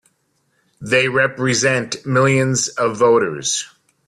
They represent millions of voters!